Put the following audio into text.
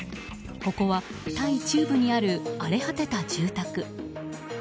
ここは、タイ中部にある荒れ果てた住宅。